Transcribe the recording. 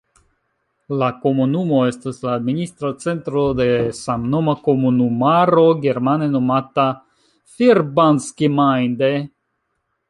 La komunumo estas la administra centro de samnoma komunumaro, germane nomata "Verbandsgemeinde".